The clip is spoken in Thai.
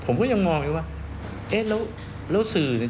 แล้วสื่อเนี่ย